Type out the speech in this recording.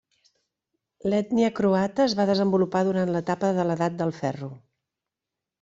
L'ètnia croata es va desenvolupar durant l'etapa de l'Edat del Ferro.